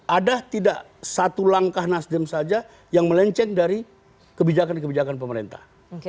ada tidak satu langkah nasdem saja yang melenceng dari kebijakan kebijakan pemerintah